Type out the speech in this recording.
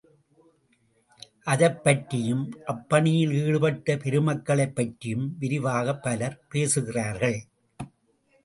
அதைப் பற்றியும் அப்பணியில் ஈடுபட்ட பெருமக்களைப் பற்றியும் விரிவாகப் பலர் பேசுகிறார்கள்.